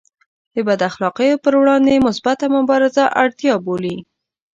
د بد اخلاقیو پر وړاندې مثبته مبارزه اړتیا بولي.